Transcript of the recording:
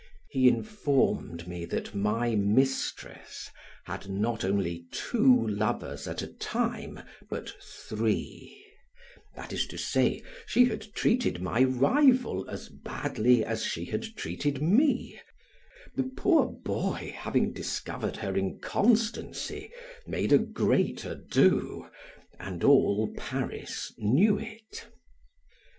He informed me that my mistress had not only two lovers at a time, but three, that is to say she had treated my rival as badly as she had treated me; the poor boy having discovered her inconstancy made a great ado and all Paris knew it.